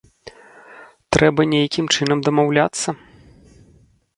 Трэба нейкім чынам дамаўляцца.